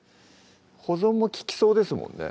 保存もききそうですもんね